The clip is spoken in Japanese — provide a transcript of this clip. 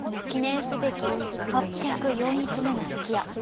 記念すべき８０４日目のすき家